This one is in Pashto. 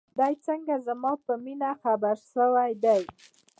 دى څنگه زما په مينې خبر سوى دى.